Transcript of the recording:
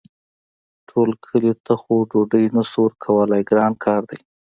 ټول کلي ته خو ډوډۍ نه شو ورکولی ګران کار دی.